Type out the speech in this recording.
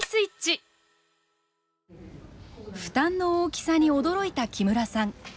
負担の大きさに驚いた木村さん。